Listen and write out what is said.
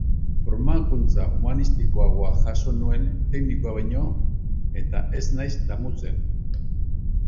Formakuntza humanistikoagoa jaso nuen teknikoa baino, eta ez naiz damutzen.